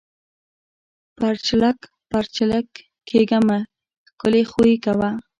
پَرچېلک پَرچېلک کېږه مه! ښکلے خوئې کوه۔